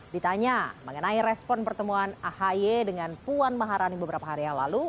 ditanya mengenai respon pertemuan ahi dengan puan maharani beberapa hari yang lalu